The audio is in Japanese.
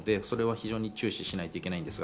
非常に注視しなきゃいけないです。